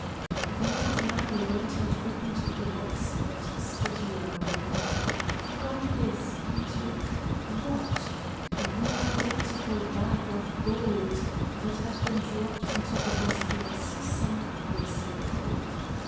The old man went and opened the box that stood alone. From this he took, what? the identical bag of gold that had been dropped into the Bosphorus some hours ago.